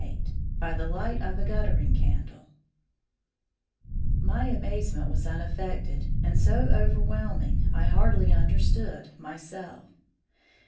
XXVIII BY THE LIGHT OF A GUTTERING CANDLE My amazement was unaffected, and so overwhelming I hardly understood myself.